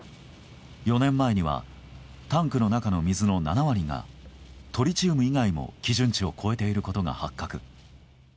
４年前にはタンクの中の水の７割がトリチウム以外も基準値を超えていることが発覚。